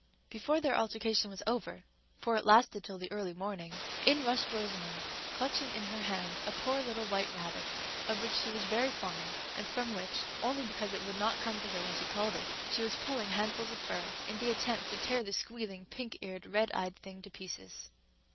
Before their altercation was over, for it lasted till the early morning, in rushed Rosamond, clutching in her hand a poor little white rabbit, of which she was very fond, and from which, only because it would not come to her when she called it, she was pulling handfuls of fur in the attempt to tear the squealing, pink eared, red eyed thing to pieces.